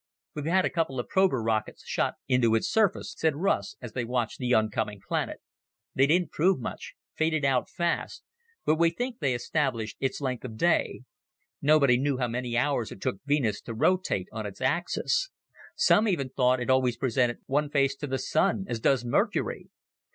"We've had a couple of prober rockets shot into its surface," said Russ, as they watched the oncoming planet. "They didn't prove much faded out fast, but we think they established its length of day. Nobody knew how many hours it took Venus to rotate on its axis. Some even thought it always presented one face to the Sun as does Mercury.